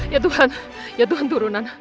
ya tuhan ya tuhan turunan